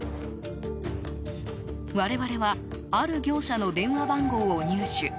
我々はある業者の電話番号を入手。